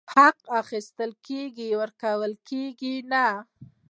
حق اخيستل کيږي، ورکول کيږي نه !!